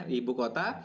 di ibu kota